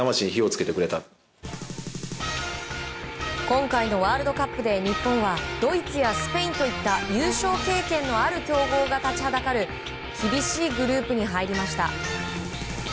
今回のワールドカップで日本はドイツやスペインといった優勝経験のある強豪が立ちはだかる厳しいグループに入りました。